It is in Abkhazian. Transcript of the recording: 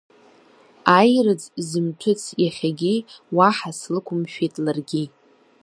Аирыӡ зымҭәыц иахьагьы, уаҳа слықәымшәеит ларгьы.